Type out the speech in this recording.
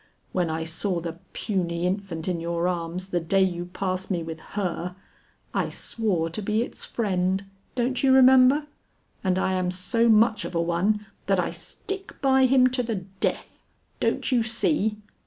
When I saw the puny infant in your arms the day you passed me with her, I swore to be its friend, don't you remember! And I am so much of a one that I stick by him to the death, don't you see?"